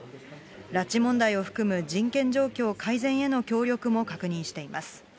拉致問題を含む、人権状況改善への協力も確認しています。